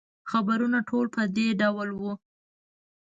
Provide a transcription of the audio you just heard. خبرونه ټول په دې ډول وو.